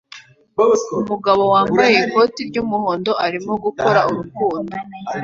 Umugabo wambaye ikoti ry'umuhondo arimo gukora urukundo